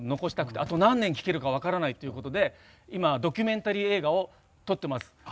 あと何年、聞けるか分からないということで今、ドキュメンタリー映画を撮っています。